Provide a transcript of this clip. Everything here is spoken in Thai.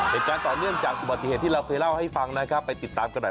เหตุการณ์ต่อเนื่องจากปฏิเสธที่เราเคยเล่าให้ฟังไปติดตามกันหน่อย